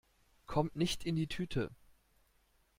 Kommt nicht in die Tüte!